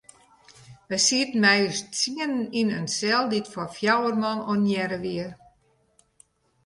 Wy sieten mei ús tsienen yn in sel dy't foar fjouwer man ornearre wie.